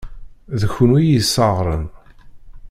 D kunwi i y-isseɣren.